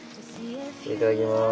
いただきます。